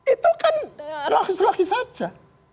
itu kan langsung lagi saja